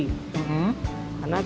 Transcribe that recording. karena kita akan